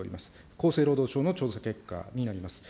厚生労働省の調査結果になります。